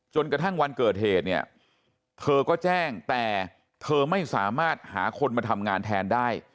จนกระทั่งวันเกิดเหตุเนี่ยเธอก็แจ้งแต่เธอไม่สามารถหาคนมาทำงานแทนได้